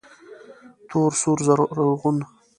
تور، سور، رزغون